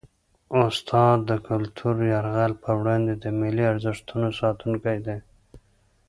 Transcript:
استاد د کلتوري یرغل په وړاندې د ملي ارزښتونو ساتونکی دی.